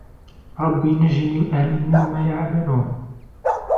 رَبِّ نَجِّنِي وَأَهْلِي مِمَّا يَعْمَلُونَ